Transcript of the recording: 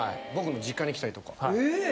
僕の実家に来たりとか。